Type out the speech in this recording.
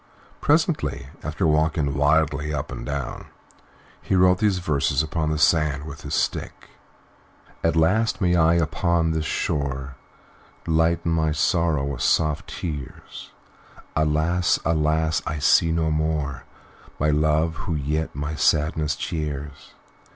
Presently, after walking wildly up and down, he wrote these verses upon the sand with his stick: "At last may I upon this shore Lighten my sorrow with soft tears. Alas! alas! I see no more My Love, who yet my sadness cheers.